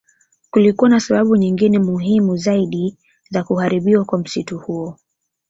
Kulikuwa na sababu nyingine muhimu zaidi za kuharibiwa kwa msitu huo